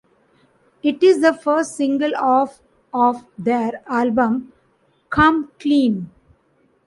It is the first single off of their album "Come Clean".